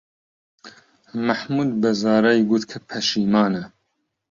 مەحموود بە زارای گوت کە پەشیمانە.